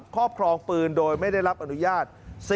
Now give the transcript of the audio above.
ครอบครองปืนโดยไม่ได้รับอนุญาต